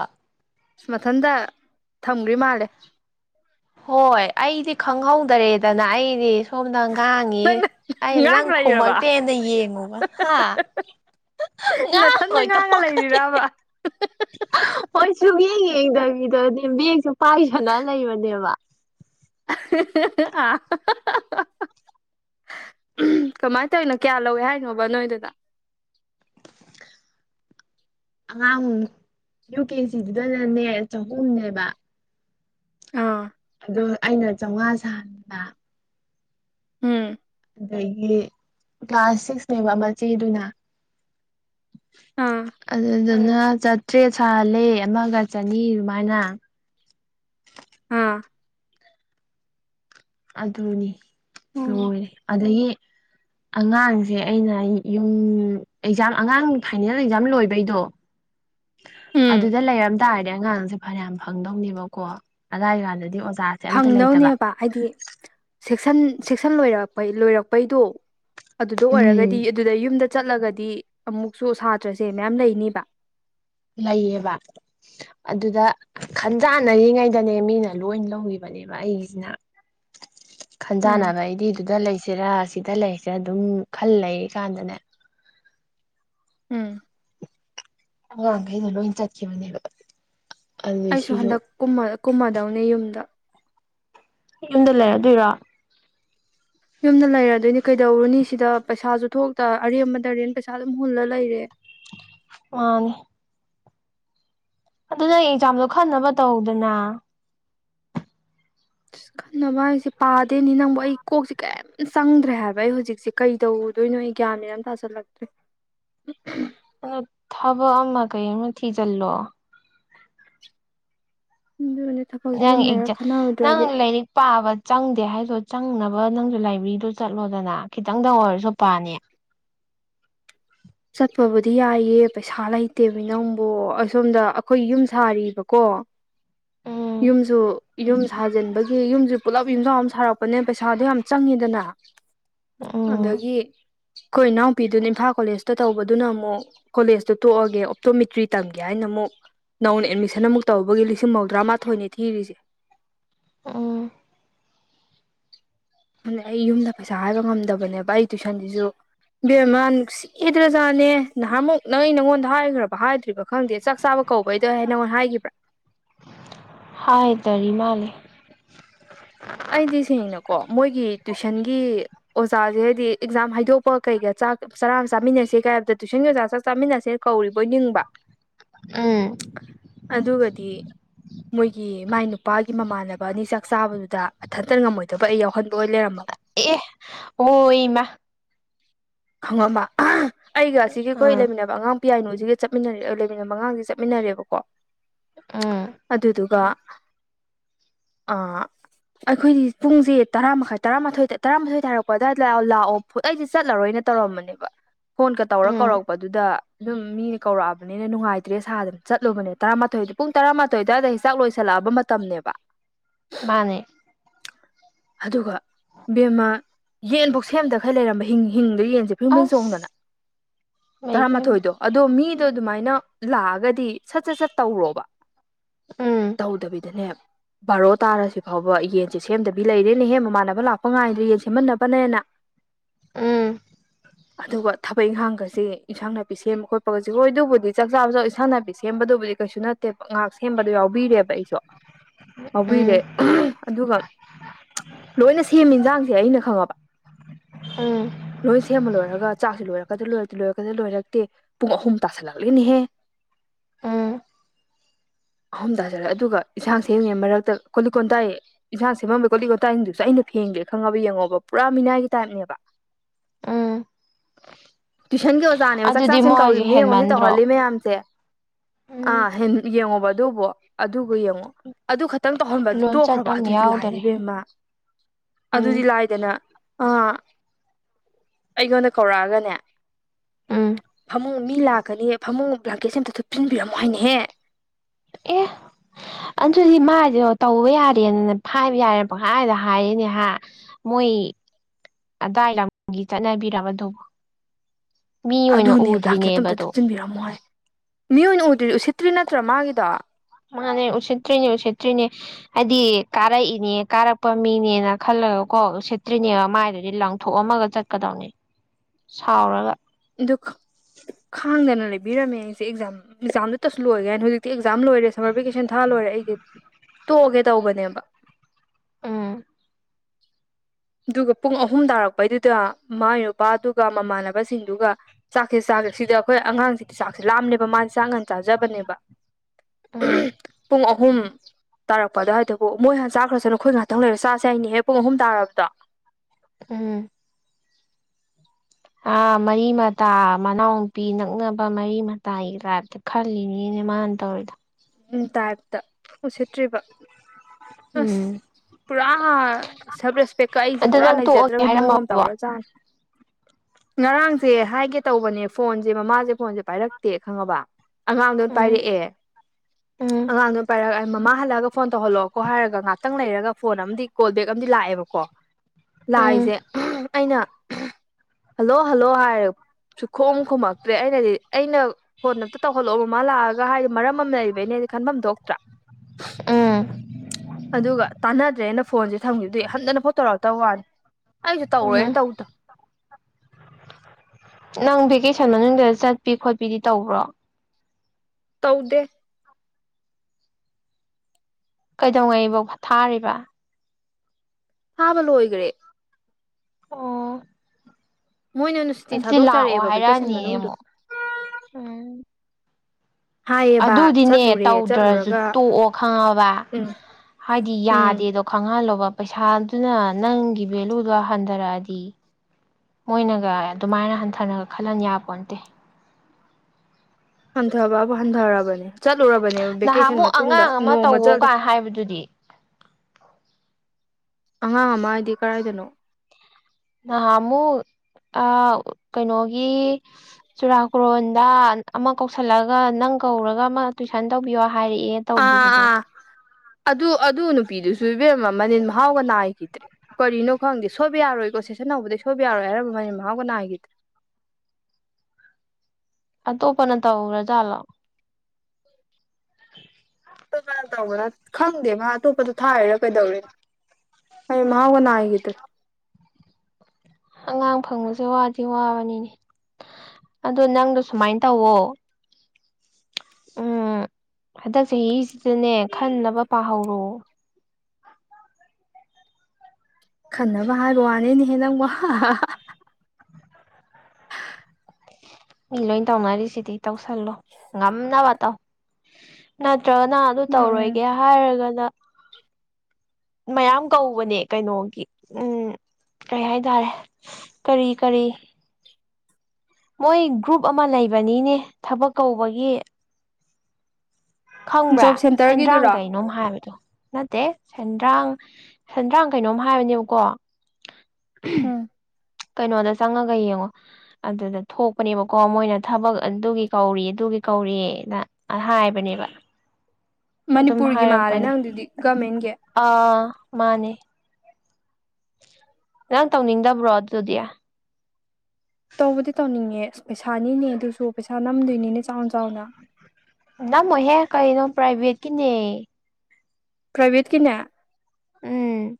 ꯑꯥ ꯃꯊꯟꯇ ꯊꯝꯈ꯭ꯔꯤ ꯃꯥꯜꯂꯦ ꯍꯣꯏ ꯑꯩꯗꯤ ꯈꯪꯍꯧꯗꯔꯦꯗꯅ ꯑꯩꯗꯤ ꯁꯣꯝꯗ ꯉꯥꯡꯉꯤ ꯅꯪꯅ ꯑꯩ ꯉꯥꯡ ꯅꯪ ꯂꯩꯔꯕ ꯈꯨꯝꯃꯛꯇꯦꯅ ꯌꯦꯡꯉꯨꯕ ꯍꯥ [unintelligible] ꯉꯥ ꯅꯊꯟꯗ ꯍꯣꯏ ꯉꯥꯡꯉ ꯗꯣꯈꯔꯦ ꯂꯩꯔꯤꯔꯕ [inaudible] ꯍꯣꯏ ꯁꯨꯡ ꯌꯦꯡ ꯌꯦꯡꯗꯕꯤꯗꯅꯦ ꯕꯦꯡꯁꯨ ꯄꯥꯏꯁꯅ ꯂꯩꯕꯅꯦꯕ [unintelligible] ꯀꯃꯥꯏꯅ ꯇꯧꯔꯤꯅꯣ ꯀꯌꯥ ꯂꯧꯋꯦ ꯍꯥꯏꯅꯣꯕ ꯅꯣꯏꯗꯨꯗ ꯑꯉꯥꯡ ꯌꯨ ꯀꯦ ꯖꯤꯗꯨꯗꯅꯅꯦ ꯆꯍꯨꯝꯅꯦꯕ ꯑꯥ ꯑꯗꯣ ꯑꯩꯅ ꯆꯥꯎꯉꯥ ꯁꯥꯍꯟꯕ ꯎꯝ ꯑꯗꯒꯤ ꯀ꯭ꯂꯥꯁ ꯁꯤꯛꯁꯅꯦꯕ ꯑꯃ ꯆꯦꯗꯨꯅ ꯑꯥ ꯑꯗꯨꯗꯨꯅ ꯆꯠꯇ꯭ꯔꯦꯠ ꯁꯥꯍꯜꯂꯦ ꯑꯃꯒ ꯆꯅꯤ ꯑꯗꯨꯃꯥꯏꯅ ꯑꯝ ꯑꯗꯨꯅꯤ ꯂꯣꯏꯔꯦ ꯑꯗꯒꯤ ꯑꯉꯥꯡꯁꯦ ꯑꯩꯅ ꯌꯨꯝ ꯑꯦꯛꯖꯥꯝ ꯑꯉꯥꯡ ꯐꯥꯏꯅꯦꯜ ꯑꯦꯛꯖꯥꯝ ꯂꯣꯏꯕꯩꯗꯣ ꯎꯝ ꯑꯗꯨꯗ ꯂꯩꯔꯝ ꯇꯥꯔꯗꯤ ꯑꯉꯥꯡꯁꯦ ꯐꯅꯌꯥꯝ ꯐꯪꯗꯧꯅꯦꯕꯀꯣ ꯑꯗꯥꯋꯥꯏꯀꯥꯟꯗꯗꯤ ꯑꯣꯖꯥ ꯐꯪꯗꯧꯅꯦꯕ ꯍꯥꯏꯗꯤ ꯁꯦꯝꯛꯁꯟ ꯁꯦꯛꯁꯟ ꯂꯣꯏꯔꯛꯄꯩ ꯂꯣꯏꯔꯛꯄꯩꯗꯣ ꯑꯗꯨꯗ ꯎꯝ ꯑꯣꯏꯔꯒꯗꯤ ꯑꯗꯨꯗ ꯌꯨꯝꯗ ꯆꯠꯂꯒꯗꯤ ꯑꯃꯨꯛꯁꯨ ꯁꯥꯇ꯭ꯔꯁꯦ ꯃꯌꯥꯝ ꯂꯩꯅꯤꯕ ꯂꯩꯥꯌꯦꯕ ꯑꯗꯨꯗ ꯈꯟꯖꯥꯟꯅꯔꯤꯉꯩꯗꯅꯦ ꯃꯤꯅ ꯂꯣꯏ ꯂꯧꯈꯤꯕꯅꯦꯕ ꯑꯩꯒꯤꯁꯤꯅ [inaudible] ꯈꯟꯖꯥꯟꯅꯕ ꯑꯩꯗꯤ ꯑꯗꯨꯗ ꯂꯩꯁꯤꯔꯥ ꯁꯤꯗ ꯂꯩꯔꯤꯁꯤꯔꯥ ꯑꯗꯨꯝ ꯈꯜ ꯂꯩꯔꯤꯀꯥꯟꯗꯅꯦ ꯎꯝ ꯑꯉꯥꯡꯈꯩꯅ ꯂꯣꯏ ꯆꯠꯈꯤꯕꯅꯦꯕ ꯑꯗꯨ ꯑꯩꯁꯨ ꯁꯤꯁꯨ ꯍꯟꯗꯛ ꯀꯨꯝꯃ ꯀꯨꯝꯃꯗꯧꯅꯦ ꯌꯨꯝꯗ ꯌꯨꯝꯗ ꯂꯩꯔ ꯗꯨꯏꯔꯣ ꯌꯨꯝꯗ ꯂꯩꯔꯗꯣꯏꯅꯤ ꯀꯩꯗꯧꯔꯨꯅꯤ ꯁꯤꯗ ꯄꯩꯁꯥꯁꯨ ꯊꯣꯛꯇ ꯑꯔꯦꯝꯕꯗ ꯔꯦꯟ ꯄꯩꯁꯥ ꯑꯗꯨꯝ ꯍꯨꯜꯂ ꯂꯩꯔꯦ ꯃꯥꯅꯤ ꯑꯗꯨꯅ ꯑꯦꯛꯖꯥꯝꯗꯣ ꯈꯟꯅꯅꯕ ꯇꯧꯗꯅ ꯑ ꯈꯟꯅꯕ ꯍꯥꯏꯁꯦ ꯄꯥꯗꯦꯅꯤ ꯅꯪꯕꯨ ꯑꯩ ꯀꯣꯛꯁꯦ ꯀꯩꯝꯇ ꯆꯪꯗ꯭ꯔꯦ ꯍꯥꯏꯕ ꯑꯩ ꯍꯧꯖꯤꯛꯁꯦ ꯀꯩꯗꯧ ꯑꯗꯨꯣꯏꯅꯣ ꯑꯩ ꯒ꯭ꯌꯥꯟ ꯃ ꯌꯥꯝ ꯇꯥꯥꯁꯜꯂꯛꯇ꯭ꯔꯦ ꯑꯗꯣ ꯊꯕꯛ ꯑꯃ ꯀꯔꯤꯝ ꯊꯤꯖꯤꯜꯂꯣ ꯑꯗꯨꯅꯤ ꯅꯪ ꯑꯦꯛꯖꯥ ꯅꯣ ꯂꯩꯔꯤꯛ ꯄꯥꯕ ꯆꯪꯗꯦ ꯍꯥꯏꯗꯣ ꯆꯪꯅꯕ ꯅꯪꯁꯨ ꯂꯥꯏꯕ꯭ꯔꯦꯔꯤꯗꯣ ꯆꯠꯂꯣꯗꯅ ꯈꯤꯇꯪꯗ ꯑꯣꯏꯔꯁꯨ ꯄꯥꯅꯤ ꯆꯠꯄꯕꯨꯗꯤ ꯌꯥꯏꯌꯦ ꯄꯩꯁꯥ ꯂꯩꯇꯦꯃꯤ ꯅꯪꯕꯣ ꯑꯁꯣꯝꯗ ꯑꯩꯈꯣꯏ ꯌꯨꯝ ꯁꯥꯔꯤꯕꯀꯣ ꯎꯝ [unintelligible] ꯌꯨꯝꯁꯨ ꯌꯨꯝ ꯁꯥꯖꯤꯟꯕꯒꯤ ꯌꯨꯝꯁꯨ ꯄꯨꯂꯞ ꯌꯨꯝꯖꯥꯎ ꯑꯃ ꯁꯥꯔꯛꯄꯅꯦ ꯄꯩꯁꯥꯗꯣ ꯌꯥꯝ ꯆꯪꯉꯤꯗꯅ ꯑꯗꯒꯤ ꯑꯩꯈꯣꯏ ꯏꯅꯥꯎꯄꯤꯗꯨꯅ ꯏꯝꯐꯥꯜ ꯀꯣꯂꯦꯖ ꯇ ꯇꯧꯕꯗꯨꯅ ꯑꯃꯨꯛ ꯀꯣꯂꯦꯖꯇ ꯇꯣꯛꯑꯒꯦ ꯑꯣꯞꯇꯣꯃꯤꯇ꯭ꯔꯤ ꯇꯝꯒꯦ ꯍꯥꯏꯅ ꯑꯃꯨꯛ ꯅꯧꯅ ꯑꯦꯗꯃꯤꯁꯟ ꯑꯃꯨꯛ ꯇꯧꯕꯒꯤ ꯂꯤꯁꯤꯡ ꯃꯧꯗ꯭ꯔꯥ ꯃꯥꯥꯊꯣꯏꯅꯦ ꯊꯤꯔꯤꯁꯦ ꯑꯥ ꯑꯅ ꯑꯩ ꯌꯨꯝꯗ ꯄꯩꯁꯥ ꯍꯥꯏꯕ ꯉꯝꯗꯕꯅꯦꯕ ꯑꯩ ꯇꯨꯏꯁꯟꯁꯤꯁꯨ ꯕꯦꯝ ꯅꯨꯡꯁꯤ ꯏꯗ꯭ꯔꯖꯥꯅꯦ ꯅꯍꯥꯟꯨꯃꯨꯛ ꯅꯩ ꯅꯪꯉꯣꯟꯗ ꯍꯥꯏꯈ꯭ꯔꯕ ꯍꯥꯏꯗ꯭ꯔꯤꯕꯥ ꯈꯪꯗꯦ ꯆꯥꯛ ꯆꯥꯕ ꯀꯧꯕꯩꯗꯣ ꯑꯩ ꯅꯉꯣꯟ ꯍꯥꯏꯈꯤꯕ꯭ꯔꯥ ꯍꯥꯏꯇꯔꯤ ꯃꯥꯜꯂꯦ ꯑꯩꯗꯤ ꯁꯦꯡꯅꯀꯣ ꯃꯣꯏꯒꯤ ꯇꯨꯏꯁꯟꯒꯤ ꯑꯣꯖꯥꯁꯦ ꯍꯥꯏꯗꯤ ꯑꯦꯛꯖꯥꯝ ꯍꯥꯏꯗꯣꯛꯄ ꯀꯩꯀ ꯆꯥꯛ ꯆꯔꯥ ꯆꯥꯃꯤꯟꯅꯁꯦ ꯀꯥꯏ ꯍꯥꯏꯕꯗ ꯇꯨꯏꯁꯟꯒꯤ ꯑꯣꯖꯥ ꯆꯛ ꯆꯥꯃꯤꯟꯅꯁꯦ ꯀꯧꯔꯤꯕꯣꯏ ꯅꯤꯡꯕ ꯎꯝ ꯑꯗꯨꯒꯗꯤ ꯃꯣꯏꯒꯤ ꯃꯥꯏ ꯅꯨꯄꯥꯒꯤ ꯃꯃꯥꯟꯅꯕ ꯑꯅꯤ ꯆꯥꯛ ꯆꯥꯕꯗꯨꯗ ꯃꯊꯟꯇ ꯉꯝꯃꯣꯏꯗꯕ ꯑꯩ ꯌꯥꯎꯍꯟꯕ ꯑꯣꯏꯅ ꯂꯩꯔꯝꯕ ꯑꯦ ꯑꯣꯏꯃꯥ ꯈꯪꯉꯝꯕ ꯑꯩꯒ ꯑꯁꯤꯒꯤ ꯑꯩꯈꯣꯏ ꯑꯥ ꯂꯩꯃꯤꯟꯅꯕ ꯑꯉꯥꯡ ꯄꯤꯌꯥꯥꯏꯅꯨꯁꯤꯒ ꯆꯠꯃꯤꯟꯅꯔꯦ ꯂꯩꯃꯤꯟꯅꯕ ꯃꯉꯥꯡꯁꯦ ꯆꯠꯃꯤꯟꯅꯔꯦꯕꯀꯣ ꯎꯝ ꯑꯗꯨꯗꯨꯒ ꯑ ꯑꯩꯈꯣꯏꯗꯤ ꯄꯨꯡꯁꯦ ꯇꯔꯥꯃꯈꯥꯏ ꯇꯔꯥꯃꯥꯊꯣꯏ ꯇꯔꯥꯃꯥꯊꯣꯏ ꯊꯥꯔꯛꯄ ꯑꯗꯥꯏꯗ ꯂꯥꯛ ꯂꯥꯛꯑꯣ ꯐꯨ ꯑꯩꯁꯦ ꯆꯠꯂꯔꯣꯏꯅ ꯇꯧꯔꯝꯕꯅꯦꯕ ꯐꯣꯟꯒ ꯇꯧꯔ ꯎꯝ ꯀꯧꯔꯛꯄꯗꯨꯗ ꯑꯗꯨꯝ ꯃꯤꯅ ꯀꯧꯔꯛꯑꯕꯅꯤꯅ ꯅꯨꯡꯉꯥꯏꯇ꯭ꯔꯦ ꯁꯥꯗꯅ ꯆꯠꯂꯨꯕꯅꯦ ꯇꯔꯥꯃꯥꯊꯣꯏꯗꯤ ꯄꯨꯡ ꯇꯔꯥꯃꯥꯊꯣꯏꯗꯥꯏꯗ ꯆꯥꯛ ꯂꯣꯏꯁꯜꯂꯛꯑꯕ ꯃꯇꯝꯅꯦꯕ ꯃꯥꯅꯦ ꯑꯗꯨꯒ ꯕꯦꯝꯃ ꯌꯦꯟꯐꯧ ꯁꯦꯝꯗ ꯈꯩ ꯂꯩꯔꯝꯕ ꯍꯤꯡ ꯍꯤꯡꯗ ꯌꯦꯟꯁꯦ ꯐ꯭ꯔꯤꯡꯕꯤꯡ ꯑꯁ ꯆꯣꯡꯗꯅ ꯃꯥꯏꯕꯦꯝꯃ ꯇꯔꯥꯃꯥꯊꯣꯏꯗꯣ ꯑꯗꯣ ꯃꯤꯗꯣ ꯑꯗꯨꯃꯥꯏꯅ ꯂꯥꯛꯑꯒꯗꯤ ꯁꯠ ꯁꯠ ꯁꯠ ꯇꯧꯔꯣꯕ ꯎꯝ ꯇꯧꯗꯕꯤꯗꯅꯦ ꯕꯥꯔꯣ ꯇꯥꯔꯁꯤ ꯐꯥꯎꯕ ꯌꯦꯟꯁꯤ ꯁꯦꯝꯗꯕ ꯂꯩꯔꯦꯅꯦꯍꯦ ꯃꯃꯥꯟꯅꯕ ꯂꯥꯛꯄ ꯉꯥꯏꯔꯤ ꯌꯦꯟ ꯁꯦꯝꯃꯟꯅꯕꯅꯦꯅ ꯎꯝ ꯑꯗꯨꯒ ꯊꯕꯛ ꯏꯪꯈꯥꯡꯒꯁꯤ ꯏꯟꯁꯥꯡ ꯅꯥꯄꯤ ꯁꯦꯝꯕ ꯈꯣꯠꯄꯒꯁꯤ ꯍꯣꯏ ꯑꯗꯨꯕꯨꯗꯤ ꯆꯥꯛ ꯆꯥꯕꯁꯨ ꯏꯟꯁꯥꯡ ꯅꯥꯄꯤ ꯁꯦꯝꯕꯗꯨꯕꯨꯗꯤ ꯀꯩꯁꯨ ꯅꯠ ꯇꯦꯞ ꯉꯥꯏꯍꯥꯛ ꯁꯦꯝꯕꯗꯣ ꯌꯥꯎꯕꯤꯔꯦꯕ ꯑꯩꯗꯣ ꯌꯥꯎꯕꯤꯔꯦ ꯎꯝ ꯑꯗꯨꯒ ꯂꯣꯏꯅ ꯁꯦꯝꯃꯤ ꯌꯦꯟꯖꯥꯡꯁꯦ ꯑꯩꯅ ꯈꯪꯉꯕ ꯎꯝ ꯂꯣꯏ ꯁꯦꯝꯃ ꯂꯣꯏꯔꯒ ꯆꯥꯛꯁꯨ ꯂꯣꯏꯔꯛꯀꯗꯤ ꯂꯣꯏꯔꯦ ꯂꯣꯏꯔꯛꯀꯗ ꯂꯣꯏꯔꯛꯇꯦ ꯄꯨꯡ ꯑꯍꯨꯝ ꯇꯥꯥꯁꯜꯂꯛꯂꯤꯅꯤꯍꯦ ꯎꯝ ꯑꯍꯨꯝ ꯇꯥꯖꯔꯦ ꯑꯗꯨꯒ ꯏꯟꯁꯥꯡ ꯁꯦꯝꯉꯩ ꯃꯔꯛꯇ ꯀꯣꯂꯤꯛ ꯀꯣꯟꯇꯥꯏ ꯌꯦꯟꯥꯡ ꯁꯦꯝꯃꯝꯕꯩ ꯀꯣꯂꯤꯛꯀꯣꯟꯇꯥꯏꯅꯤꯡꯗꯨꯁꯨ ꯑꯩꯅ ꯐꯦꯡꯒꯦ ꯈꯪꯉꯕ ꯌꯦꯡꯉꯣꯕ ꯄꯨꯔꯥ ꯃꯤꯅꯥꯏꯒꯤ ꯇꯥꯏꯞꯅꯦꯕ ꯎꯝ ꯇꯨꯏꯁꯟꯒꯤ ꯑꯣꯖꯥꯅꯦꯕ ꯆꯥꯛ ꯑꯗꯨꯗꯤ ꯆꯥꯁꯦꯅ ꯃꯣꯏꯁꯦ ꯀꯧꯔꯤꯕꯅꯦ ꯌꯦꯡꯉꯣ ꯁꯤ ꯍꯦꯟꯃꯟꯗ꯭ꯔꯣ ꯇꯧꯍꯜꯂꯤ ꯃꯌꯥꯝꯁꯦ ꯑꯥ ꯍꯦꯟ ꯌꯦꯡꯉꯣꯕ ꯑꯗꯨꯕꯨ ꯑꯗꯨꯒ ꯌꯦꯡꯉꯣ ꯑꯗꯨ ꯈꯇꯪ ꯇꯧꯍꯟꯕꯗꯤ ꯂꯣꯟꯆꯠ ꯇꯣꯛꯈ꯭ꯔꯣꯕ ꯑꯃ ꯑꯗꯨꯗꯤ ꯂꯥꯏꯗ ꯌꯥꯎꯗꯔꯦ ꯏꯕꯦꯝꯃ ꯎꯝ ꯑꯗꯨꯗꯤ ꯂꯥꯏꯗ ꯗꯅ ꯑ ꯑꯩꯉꯣꯟꯗ ꯀꯧꯔꯛꯑꯒꯅꯦ ꯎꯝ ꯐꯃꯨꯡ ꯃꯤ ꯂꯥꯛꯀꯅꯤ ꯐꯃꯨꯡ ꯕ꯭ꯂꯥꯡꯀꯦꯠꯁꯦ ꯑꯝꯇ ꯊꯨꯞꯆꯤꯟꯕꯤꯔꯝꯃꯣ ꯍꯥꯏꯅꯍꯦ ꯑꯦ [inaudible] ꯑꯗꯨꯗꯤ ꯃꯥꯁꯨ ꯇꯧꯕ ꯌꯥꯔꯦꯅꯅꯦ ꯐꯥꯏꯕ ꯌꯥꯔꯦ ꯄꯍꯥꯢꯗꯪ ꯍꯥꯏꯔꯦꯅꯦ ꯍꯥ ꯃꯣꯏ ꯑꯗꯥꯏ ꯂꯝꯒꯤ ꯆꯠꯅꯕꯤꯔꯕ ꯑꯗꯨꯕꯨ ꯃꯤ ꯑꯣꯏꯅ ꯑꯗꯨꯅꯦ ꯕ꯭ꯂꯥꯡꯀꯦꯠꯇꯣ ꯎꯗ꯭ꯔꯤꯅꯦꯕ ꯑꯝꯇ ꯑꯗꯣ ꯊꯨꯞꯆꯤꯟꯕꯤꯔꯝꯃꯣ ꯍꯥꯏ ꯃꯤ ꯑꯣꯏꯅ ꯎꯗ꯭ꯔꯤ ꯎꯁꯤꯠꯇ꯭ꯔꯤ ꯅꯠꯇ꯭ꯔꯥ ꯃꯥꯒꯤꯗꯣ ꯃꯥꯅꯦ ꯎꯁꯤꯠꯇ꯭ꯔꯤꯅꯤ ꯎꯁꯤꯠꯇ꯭ꯔꯤꯅꯤ ꯍꯥꯏꯗꯤ ꯀꯥꯔꯛꯏꯅꯦ ꯀꯥꯔꯛꯄ ꯃꯤꯅꯦꯅ ꯈꯜꯂꯒꯀꯣ ꯎꯁꯤꯠꯇ꯭ꯔꯤꯅꯦꯕ ꯃꯥꯏꯗꯨꯗꯤ ꯂꯪ ꯊꯣꯛꯑꯝꯃꯒ ꯆꯠꯀꯗꯧꯅꯦ ꯁꯥꯎꯔꯒ ꯑꯗꯨ ꯈꯥꯡꯗꯅ ꯂꯩꯕꯤꯔꯝꯃꯦ ꯑꯩꯁꯦ ꯑꯦꯛꯖꯥꯝ ꯑꯦꯛꯖꯥꯝꯗꯨꯇꯁꯨ ꯂꯣꯏꯒꯦ ꯍꯥꯏꯅ ꯍꯧꯖꯤꯛꯇꯤ ꯑꯦꯛꯖꯥꯝ ꯂꯣꯢꯔꯦ ꯁꯃꯔ ꯚꯦꯀꯦꯁꯟ ꯊꯥ ꯂꯣꯏꯔꯦ ꯑꯩꯗꯤ ꯇꯣꯛꯑꯒꯦ ꯇꯧꯕꯅꯦꯕ ꯎꯝ ꯑꯗꯨꯒ ꯄꯨꯡ ꯑꯍꯨꯝ ꯇꯥꯔꯛꯄꯩꯗꯨꯗ ꯃꯥꯏ ꯅꯨꯄꯥꯗꯨꯒ ꯃꯃꯥꯟꯅꯕꯁꯤꯡꯗꯨꯒ ꯆꯥꯛꯁꯦ ꯆꯥꯛꯁꯦ ꯁꯤꯗ ꯑꯩꯈꯣꯏ ꯑꯉꯥꯡꯁꯤꯗꯤ ꯆꯥꯛꯁꯦ ꯂꯥꯝꯅꯦꯕ ꯃꯥꯁꯦ ꯆꯥꯡꯉꯟꯁꯦ ꯆꯥꯖꯕꯅꯦꯕ ꯎꯝ ꯄꯨꯡ ꯑꯍꯨꯝ ꯇꯥꯔꯛꯄꯗ ꯍꯥꯏ ꯑꯗꯨꯕꯨ ꯃꯣꯏ ꯍꯥꯟ ꯆꯈ꯭ꯔꯁꯨꯅ ꯅꯈꯣꯏ ꯉꯥꯏꯥꯛꯇ ꯂꯩꯔ ꯆꯥꯁꯦ ꯍꯥꯏꯅꯤ ꯍ ꯄꯨꯡ ꯑꯍ ꯇꯥꯔꯕꯗꯣ ꯎꯝ ꯑꯥ ꯃꯔꯤ ꯃꯇꯥ ꯃꯅꯥꯎꯨꯄꯤ ꯅꯛꯅꯕ ꯃꯔꯤ ꯃꯇꯥꯗ꯭ꯔꯥꯠꯇ ꯈꯜꯂꯤꯅꯦꯅꯦ ꯃꯥꯅ ꯇꯧꯔꯤꯗ ꯎ ꯇꯥꯏꯞꯇ ꯎꯁꯤꯠꯇ꯭ꯔꯤꯕ ꯑꯁ ꯎꯝ ꯄꯨꯔꯥ ꯁꯦꯜꯞ ꯔꯦꯁꯄꯦꯛꯀ ꯑꯩꯁꯦ ꯑꯗꯨ ꯄꯨꯔꯥ ꯅꯪ ꯇꯣꯛꯑꯒꯦ ꯂꯩꯖꯗ꯭ꯔꯕꯒꯤ ꯃꯑꯣꯡ ꯑꯃ ꯍꯥꯏꯔꯝꯃꯕꯣ ꯇꯧꯔꯖꯥꯠꯅꯤ ꯉꯔꯥꯡꯁꯦ ꯍꯥꯏꯒꯦ ꯇꯧꯕꯅꯦ ꯐꯣꯟꯁꯦ ꯃꯃꯥꯁꯦ ꯐꯣꯟꯁꯦ ꯄꯥꯏꯔꯛꯇꯦ ꯈꯪꯉꯕ ꯑꯉꯥꯡꯗꯣ ꯎꯝ ꯄꯥꯏꯔꯛꯑꯦ ꯎꯝ ꯑꯉꯥꯡꯗꯣ ꯄꯥꯏꯔꯛ ꯃꯃꯥ ꯍꯜꯂꯛꯑꯒ ꯐꯣꯟ ꯇꯧꯍꯜꯂꯛꯑꯣꯀꯣ ꯍꯥꯏꯔꯒ ꯉꯍꯥꯛꯇꯪ ꯂꯩꯔꯒ ꯐꯣꯟ ꯑꯃꯗꯤ ꯀꯣꯜꯕꯦꯛ ꯑꯃꯗꯤ ꯂꯥꯛꯑꯦꯕꯀꯣ ꯎꯝ ꯂꯥꯛꯏꯁꯦ ꯑꯩꯅ ꯍꯜꯂꯣ ꯍꯜꯂꯣ ꯍꯥꯏ ꯁꯨ ꯈꯣꯑꯝ ꯈꯨꯝꯃꯛꯇ꯭ꯔꯦ ꯑꯩꯅꯗꯤ ꯑꯩꯅ ꯐꯣꯟ ꯑꯝꯇ ꯇꯧꯍꯜꯂꯛꯑꯣ ꯃꯥ ꯂꯥꯛꯑꯒ ꯍꯥꯏꯗꯤ ꯃꯔꯝ ꯑꯃꯅ ꯂꯩ ꯕꯅꯦꯗꯤ ꯈꯟꯕꯣꯇ꯭ꯔꯥ ꯑ [unintelligible] [inaudible] ꯑꯗꯨꯒ ꯇꯥꯟꯅꯗ꯭ꯔꯦꯅ ꯐꯣꯟꯁꯦ ꯊꯝꯈꯤꯕꯗꯒꯤ ꯍꯟꯗꯅꯐꯥꯎ ꯇꯧꯔꯛꯇꯕ ꯋꯥꯅꯤ ꯑꯩꯁꯨ ꯎꯝ ꯇꯧꯔꯣꯏ ꯑꯩ ꯇꯧꯗ ꯅꯪ ꯚꯦꯀꯦꯁꯟ ꯃꯅꯨꯡꯗ ꯆꯠꯄꯤ ꯈꯣꯠꯄꯤꯗꯤ ꯇꯧꯕ꯭ꯔꯣ ꯇꯧꯗꯦ ꯀꯩꯗꯧꯉꯩꯕ ꯊꯥꯔꯤꯕ ꯊꯥꯕ ꯂꯣꯏꯈ꯭ꯔꯦ ꯑꯣ [unintelligible] [inaudible] ꯃꯣꯏꯅ ꯁꯨꯇꯤ ꯁꯤ ꯂꯥꯛꯑꯣ ꯊꯥꯗꯣꯛꯆꯔꯛꯑꯦꯕ ꯚꯦꯀꯦꯁꯟ ꯍꯥꯏꯔꯛꯑꯅꯤꯅꯦ ꯃꯅꯨꯡꯗꯣ ꯑꯃꯨꯛ ꯎꯝ ꯍꯥꯏꯌꯦꯕ ꯑꯗꯨꯗꯤꯅꯦ ꯆꯠꯂꯨꯔꯦ ꯇꯧꯗ꯭ꯔꯁꯨ ꯆꯠꯂꯨꯔꯒ ꯇꯣꯛꯑꯣ ꯈꯪꯉꯕ ꯎꯝ ꯍꯥꯏꯗꯤ ꯎꯝ ꯌꯥꯗꯗꯣ ꯈꯪꯍꯥꯜꯂꯧꯕ ꯄꯩꯁꯥꯗꯨꯅ ꯅꯪꯒꯤ ꯚꯦꯂꯨꯗꯣ ꯍꯟꯊꯔꯛꯑꯗꯤ ꯃꯣꯏꯅꯒ ꯑꯗꯨꯃꯥꯏꯅ ꯍꯟꯊꯅꯒ ꯈꯜꯍꯟ ꯌꯥꯄ ꯅꯠꯇꯦ ꯍꯟꯊꯕꯕ ꯍꯟꯊꯔꯕꯅꯦ ꯆꯠꯂꯨꯔꯕꯅꯦꯕ ꯚꯦꯀꯦꯁꯟ ꯅꯍꯥꯟꯃꯨꯛ ꯃꯇꯨꯡꯗ ꯑꯉꯥꯡ ꯑꯃ ꯅꯣꯡꯃ ꯇꯧꯋꯣ ꯆꯠꯂꯦ ꯀꯥꯏ ꯍꯥꯏꯕꯗꯨꯗꯤ ꯑꯉꯥꯡ ꯑꯃ ꯍꯥꯏꯗꯤ ꯀꯗꯥꯏꯗꯅꯣ ꯅꯍꯥꯟ ꯑꯃꯨꯛ ꯑ ꯀꯩꯅꯣꯒꯤ ꯆꯨꯔꯥꯀꯣꯔꯣꯟꯗ ꯑꯃ ꯀꯧꯁꯜꯂꯛꯒ ꯅꯪ ꯀꯧꯔꯒ ꯑꯃ ꯇꯨꯏꯁꯟ ꯇꯧꯕꯤꯌꯣ ꯍꯥꯏꯔꯛꯑꯦ ꯑꯥ ꯇꯧꯈꯤꯕꯗꯣ ꯑꯥ ꯑꯗꯨ ꯑꯗꯨ ꯅꯨꯄꯤꯗꯨꯁꯨ ꯏꯕꯦꯝꯃ ꯃꯅꯜ ꯃꯍꯥꯎꯒ ꯅꯥꯏꯈꯤꯗ꯭ꯔꯦ ꯀꯔꯤꯅꯣ ꯈꯪꯗꯦ ꯁꯣꯏꯕ ꯌꯥꯔꯣꯏꯀꯣ ꯁꯦꯁꯟ ꯍꯧꯕꯗꯒꯤ ꯁꯣꯏꯕ ꯌꯥꯔꯣꯏ ꯍꯥꯏꯔꯝꯕ ꯐꯅꯤ ꯃꯍꯥꯎ ꯀꯅꯥꯒꯤꯣ ꯑ ꯇꯣ ꯄ ꯑ ꯇ ꯎꯔ ꯆꯂ [unintelligible] [inaudible] ꯇꯧꯕ꯭ꯔꯥ ꯈꯪꯗꯦ ꯃꯥ ꯑꯇꯣꯞꯄꯗꯣ ꯊꯥꯏꯔꯥ ꯀꯩꯗꯧꯔꯤꯅ ꯑꯩ ꯃꯥꯒꯣꯟ ꯅ ꯍꯥꯏꯒꯗꯦ ꯑꯉꯥꯡ ꯐꯪꯕꯁꯦ ꯋꯥꯗꯤ ꯋꯥꯕꯅꯤꯅꯦ ꯑꯗꯣ ꯅꯪꯗꯣ ꯁꯨꯃꯥꯏꯅ ꯇꯧꯋꯣ ꯎꯝ ꯍꯟꯗꯛ ꯆꯍꯤꯁꯤꯗꯅꯦ ꯈꯟꯅꯕ ꯄꯥꯍꯧꯔꯣ ꯈꯟꯅꯕ ꯍꯥꯏꯕ ꯋꯥꯅꯦꯅꯦꯍꯦ ꯅꯪ ꯋꯥ ꯃꯤ ꯂꯣꯏ ꯇꯧꯅꯔꯤꯁꯤꯗꯤ ꯇꯧꯁꯜꯂꯣ ꯉꯝꯅꯕ ꯇꯧ ꯅꯠꯇ꯭ꯔꯒꯅ ꯑꯗꯨ ꯎꯝ ꯇꯧꯔꯣꯏꯒꯦ ꯍꯥꯏꯔꯒꯅ ꯃꯌꯥꯝ ꯀꯧꯕꯅꯦ ꯀꯩꯅꯣꯒꯤ ꯎꯝ ꯀꯩ ꯍꯥꯏꯇꯥꯔꯦ ꯀꯔꯤ ꯀꯔꯤ ꯃꯣꯏ ꯒ꯭ꯔꯨꯞ ꯑꯃ ꯂꯩꯕꯅꯤꯅꯦ ꯊꯕꯛ ꯀꯧꯕꯒꯤ ꯈꯪꯕ꯭ꯔꯥ ꯖꯣꯕ ꯁꯦꯟꯗ꯭ꯔꯥꯡ ꯁꯦꯟꯇꯔꯒꯤꯗꯨꯔꯣ ꯀꯩꯅꯣꯝ ꯍꯥꯏꯕꯗꯣ ꯅꯠꯇꯦ ꯁꯦꯟꯗ꯭ꯔꯥꯡ ꯁꯦꯟꯗ꯭ꯔꯥꯡ ꯀꯩꯅꯣꯝ ꯍꯥꯏꯕꯅꯦꯕꯀꯣ ꯎꯝ ꯀꯩꯅꯣꯗ ꯆꯪꯉꯒ ꯌꯦꯡꯉꯣ ꯑꯗꯨꯗ ꯊꯣꯛꯄꯅꯦꯕꯀꯣ ꯃꯣꯏꯅ ꯊꯕꯛ ꯑꯗꯨꯒꯤ ꯀꯧꯔꯤ ꯑꯗꯨꯒꯤ ꯀꯧꯔꯤꯅ ꯑ ꯍꯥꯏꯕꯅꯦꯕ ꯑꯗꯨꯝ ꯃꯅꯤꯄꯨꯔꯒꯤ ꯃꯥꯜꯂꯦ ꯍꯥꯏꯔꯛꯄꯅꯤ ꯅꯪꯗꯨꯗꯤ ꯒꯃꯦꯟꯒꯤ ꯑꯥ ꯃꯥꯅꯦ ꯅꯪ ꯇꯧꯅꯤꯡꯗꯕ꯭ꯔꯣ ꯑꯗꯨꯗꯤ ꯇꯧꯕꯗꯤ ꯇꯧꯅꯤꯡꯉꯦ ꯑꯁ ꯄꯩꯁꯥꯅꯤꯅꯦ ꯑꯗꯨꯁꯨ ꯄꯩꯁꯥ ꯅꯝꯗꯣꯏꯅꯤꯅꯦ ꯆꯥꯎꯅ ꯆꯥꯎꯅ ꯅꯝꯃꯣꯏꯍꯦ ꯀꯩꯅꯣ ꯄ꯭ꯔꯥꯏꯚꯦꯠꯀꯤꯅꯦ ꯄ꯭ꯔꯥꯏꯚꯦꯠꯀꯤꯅꯦ ꯎꯝ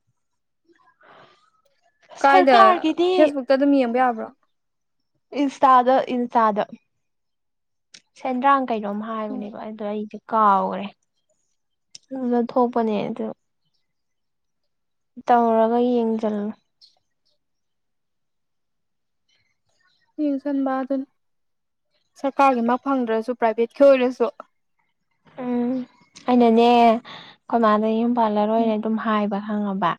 ꯀꯥꯏꯗ ꯁꯔꯀꯥꯔꯒꯤꯗꯤ ꯐꯦꯁꯕꯨꯛꯇ ꯑꯗꯨꯝ ꯌꯦꯡꯕ ꯌꯥꯕ꯭ꯔꯣ ꯏꯟꯁꯇꯥꯗ ꯏꯟꯁꯇꯥꯗ ꯁꯦꯟꯗ꯭ꯔꯥꯡ ꯀꯩꯅꯣꯝ ꯎꯝ ꯍꯥꯏꯕꯅꯦꯕ ꯑꯗꯣ ꯑꯩꯗꯤ ꯀꯥꯎꯔꯦ ꯑꯗꯨꯗ ꯊꯣꯛꯄꯅꯦ ꯑꯗꯨ ꯇꯧꯔꯒ ꯌꯦꯡꯖꯜꯂꯨ ꯌꯦꯡꯖꯟꯕꯗꯨꯅꯤ ꯁꯔꯀꯥꯔꯒꯤ ꯃꯛ ꯐꯪꯗ꯭ꯔꯁꯨ ꯄ꯭ꯔꯥꯏꯚꯦꯠꯀꯤ ꯑꯣꯏꯔꯁꯨ ꯎꯝ ꯑꯩꯅꯅꯦ ꯈꯣꯏꯃꯥꯗ ꯌꯨꯝ ꯄꯥꯜꯂꯔꯣꯏ ꯑꯗꯨꯝ ꯍꯥꯏꯕ ꯐꯪꯉꯕ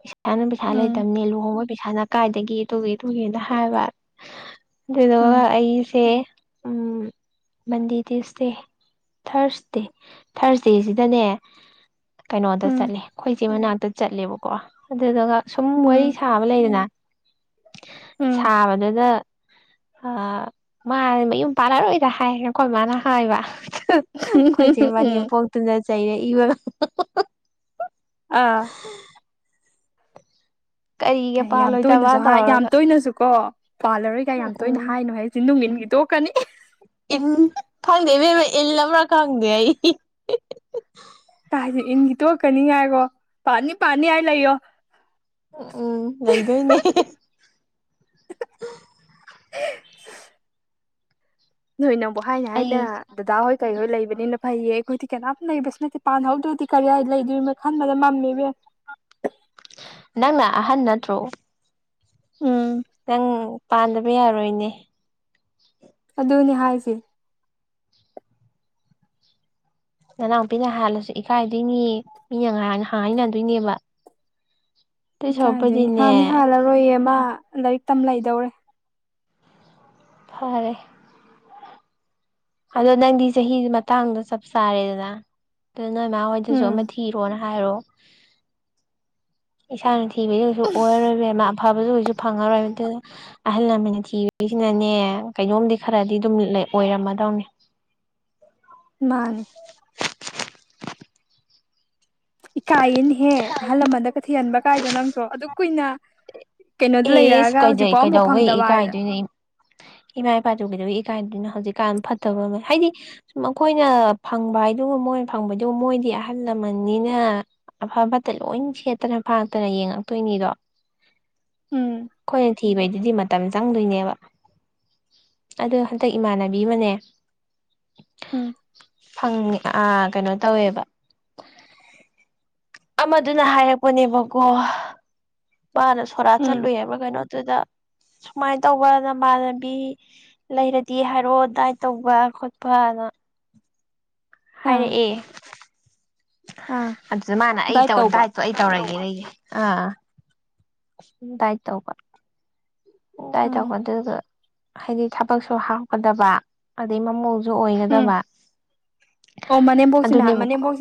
ꯄꯩꯁꯥꯅ ꯄꯩꯁꯥ ꯎꯝ ꯂꯩꯇꯕꯅꯦ ꯂꯨꯍꯣꯡꯕꯩ ꯄꯩꯁꯥꯅ ꯀꯥꯏꯗꯒꯤ ꯇꯨꯒꯤ ꯇꯨꯒꯤꯅꯥ ꯍꯥꯏꯕ ꯎꯝ ꯑꯗꯨꯗꯨꯒ ꯑꯩꯁꯦ ꯎꯝ ꯃꯟꯗꯦ ꯇꯨꯏꯁꯇꯦ ꯊ꯭ꯔꯁꯗꯦ ꯊ꯭ꯔꯁꯗꯦꯖꯤꯗꯅꯦ ꯀꯩꯅꯣꯗ ꯎꯝ ꯆꯠꯂꯦ ꯑꯩꯈꯣꯏ ꯆꯦ ꯃꯅꯥꯛꯇ ꯆꯠꯂꯦꯕꯀꯣ ꯑꯗꯨꯗꯨꯒ ꯁꯨꯝ ꯎꯝ ꯋꯥꯔꯤ ꯁꯥꯕ ꯂꯩꯗꯅ ꯎꯝ ꯁꯥꯕꯗꯨꯗ ꯑ ꯃꯥ ꯃꯌꯨꯝ ꯄꯥꯜꯂꯔꯣꯏꯇ ꯍꯥꯏ ꯑꯩꯈꯣꯏ ꯃꯥꯅ ꯍꯥꯏꯕ ꯑꯩꯈꯣꯏ ꯆꯦ ꯎꯝ ꯃꯅꯦꯝꯄꯣꯛꯇꯨꯅ ꯆꯩꯩꯔꯛꯏꯕ ꯑꯥ ꯀꯔꯤꯒꯤ ꯑꯦ ꯌꯥꯝ ꯄꯥꯜꯂꯣꯏꯗꯕ ꯇꯣꯏꯅꯖꯨ ꯍꯥꯏꯠ ꯌꯥꯝ ꯇꯧꯔꯒ ꯇꯣꯏꯅꯖꯨꯀꯣ ꯄꯥꯜꯂꯔꯣꯏꯀꯥꯏ ꯎꯝ ꯌꯥꯝ ꯇꯣꯏꯅ ꯎꯝ ꯍꯥꯏꯅꯣꯍꯦ ꯆꯤꯟꯗꯨꯡ ꯏꯟꯒꯤ ꯇꯣꯛꯀꯅꯤ ꯏꯟ ꯈꯪꯗꯦ ꯏꯕꯦꯝꯃ ꯏꯜꯂꯕ꯭ꯔꯥ ꯈꯪꯗꯦ ꯑꯩ [unintelligible] ꯏꯟꯒꯤ ꯇꯣꯛꯀꯅꯤ ꯉꯥꯏꯈꯣ ꯄꯥꯟꯅꯤ ꯄꯥꯟꯅꯤ ꯍꯥꯏ ꯂꯩꯌꯣ ꯎꯝ ꯎꯝ ꯂꯩꯗꯣꯏꯅꯤ ꯅꯣꯏꯅꯕꯨ ꯍꯥꯏꯅ ꯑꯩ ꯍꯥꯏꯅ ꯗꯗꯥ ꯍꯣꯏ ꯀꯩꯍꯣꯏ ꯂꯩꯕꯅꯤꯅ ꯐꯩꯌꯦ ꯑꯩꯈꯣꯏꯗꯤ ꯀꯅꯥꯝ ꯂꯩꯕꯁꯨ ꯅꯠꯇꯦ ꯄꯥꯟꯍꯧꯗ꯭ꯔꯗꯤ ꯀꯔꯥꯏ ꯂꯩꯗꯣꯏꯔꯤꯝꯅꯣ ꯈꯟꯕꯗ ꯃꯝꯃꯤ ꯏꯕꯦꯝ ꯅꯪꯅ ꯑꯍꯟ ꯅꯠꯇ꯭ꯔꯣ ꯎꯝ ꯅꯪ ꯄꯥꯟꯗꯕ ꯌꯥꯔꯣꯏꯅꯦ ꯑꯗꯨꯅꯦ ꯍꯥꯏꯁꯦ ꯅꯅꯥꯎꯄꯤꯅ ꯍꯥꯜꯂꯁꯨ ꯏꯀꯥꯏꯗꯣꯏꯅꯤ ꯃꯤꯅ ꯉꯥꯏ [unintelligible] ꯍꯥꯏꯅꯗꯣꯏꯅꯦꯕ ꯑꯗꯨꯏ ꯏꯀꯥꯏꯗꯣꯏꯅꯦ ꯁꯔꯨꯛꯄꯨꯗꯤꯅꯦ ꯍꯥꯟꯗꯤ ꯍꯥꯜꯂꯔꯣꯏꯌꯦ ꯃꯥ ꯂꯥꯏꯔꯤꯛ ꯇꯝ ꯂꯩꯗꯧꯔꯦ ꯐꯔꯦ ꯑꯗꯣ ꯅꯪꯗꯤ ꯆꯍꯤꯖꯨ ꯃꯇꯥꯡꯗꯣ ꯆꯞ ꯆꯥꯔꯦꯗꯅ ꯑꯗꯨ ꯅꯣꯏ ꯏꯃꯥ ꯍꯣꯏꯗꯁꯨ ꯑꯃ ꯎꯝ ꯊꯤꯔꯣꯅ ꯍꯥꯏꯔꯣ ꯏꯁꯥꯅ ꯊꯤꯕꯖꯨ ꯀꯩꯁꯨ ꯑꯣꯏꯔꯔꯣꯏ ꯏꯕꯦꯝꯃ ꯑꯐꯕꯖꯨ ꯀꯩꯁꯨ ꯐꯪꯉꯔꯣꯏ ꯑꯗꯨ ꯑꯍꯜ ꯂꯃꯟꯅ ꯊꯤꯕꯖꯤꯅꯅꯦ ꯀꯩꯅꯣꯝꯗꯤ ꯈꯔꯗꯤ ꯑꯗꯨꯝ ꯂꯩ ꯑꯣꯏꯔꯝꯃꯗꯝꯅꯦ ꯃꯥꯅꯤ ꯏꯀꯥꯏꯌꯦꯅꯦꯍꯦ ꯑꯍꯜ ꯂꯃꯟꯗꯒ ꯊꯤꯍꯟꯕ ꯀꯥꯏꯗꯣ ꯅꯪꯁꯨ ꯑꯗꯨꯛ ꯀꯨꯏꯅ ꯀꯩꯅꯣꯗ ꯑꯦꯁ ꯂꯩꯔꯛꯑꯒ ꯀꯩꯗꯩ ꯍꯧꯖꯤꯛꯐꯥꯎ ꯑꯃꯐꯥꯎ ꯀꯩꯗꯧꯕꯩ ꯐꯪꯗꯕ ꯍꯥꯏꯗꯅ ꯏꯀꯥꯏꯗꯣꯏꯅꯣ ꯏꯃꯥ ꯏꯄꯥꯗꯕꯨ ꯀꯩꯗꯧꯕꯩ ꯏꯀꯥꯏꯗꯨꯏꯅꯣ ꯍꯧꯖꯤꯛꯀꯥꯟ ꯐꯠꯇꯕ ꯑꯃ ꯍꯥꯏꯗꯤ ꯁꯨꯝ ꯃꯈꯣꯏꯅ ꯐꯪꯕ ꯍꯥꯏꯗꯨꯒ ꯃꯣꯏꯅ ꯐꯪꯕꯩꯗꯨ ꯃꯣꯏꯗꯤ ꯑꯍꯜ ꯂꯃꯟꯅꯤꯅ ꯑꯐ ꯐꯠꯇ ꯂꯣꯏ ꯁꯦꯠꯇꯅ ꯐꯥꯛꯇꯅ ꯌꯦꯡꯉꯛꯇꯣꯏꯅꯤꯗꯣ ꯎꯝ ꯑꯩꯈꯣꯏꯅ ꯊꯤꯕꯩꯗꯨꯗꯤ ꯃꯇꯝ ꯆꯪꯗꯣꯏꯅꯦꯕ ꯑꯗ ꯍꯟꯗꯛ ꯏꯃꯥꯟꯅꯕꯤ ꯑꯃꯅꯦ ꯎꯝ ꯐꯪꯅꯤ ꯑ ꯀꯩꯅꯣ ꯇꯧꯋꯦꯕ ꯑꯃꯗꯨꯅ ꯍꯥꯏꯔꯛꯄꯅꯦꯕꯀꯣ ꯃꯥꯅ ꯁꯣꯔꯥ ꯎꯝ ꯆꯠꯂꯨꯑꯕ ꯀꯩꯅꯣꯗꯨꯗ ꯁꯨꯃꯥꯏꯅ ꯇꯧꯕ ꯅꯃꯥꯟꯅꯕꯤ ꯂꯩꯔꯗꯤ ꯍꯥꯏꯔꯛꯑꯣ ꯗꯥꯏꯠ ꯇꯧꯕ ꯈꯣꯠꯄ ꯑꯗꯣ ꯑꯥ ꯍꯥꯏꯔꯛꯑꯦ ꯑꯥ ꯑꯗꯨꯗ ꯃꯥꯅ ꯑꯩ ꯗꯥꯏꯠ ꯇꯧꯕ ꯗꯥꯏꯠꯇꯣ ꯑꯩ ꯇꯧꯔꯒꯦ ꯑꯩꯒꯤ ꯑꯥ ꯇꯥꯏ ꯇꯧꯕꯕ ꯗꯥꯏ ꯇꯧ ꯎꯝ ꯑꯗꯨꯗ ꯍꯥꯏꯗꯤ ꯊꯕꯛꯁꯨ ꯍꯥꯎꯀꯗꯕ ꯑꯗꯩ ꯃꯃ ꯑꯗꯨ ꯎꯝ ꯑꯣꯏꯒꯗꯕ ꯑꯣ ꯃꯅꯦꯝꯕꯣꯛꯁꯤꯅ ꯑꯗꯨꯅꯦꯕꯀꯣ ꯃꯅꯦꯝꯕꯣꯛꯁꯤꯅ